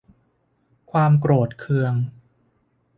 ความโกรธเคือง